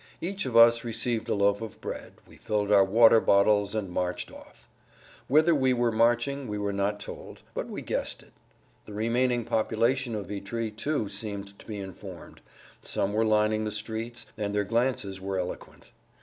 Each of us received a loaf of bread; we filled our water bottles, and marched off. Whither we were marching we were not told, but we guessed it. The remaining population of Vitry, too, seemed to be informed; some were lining the streets, and their glances were eloquent.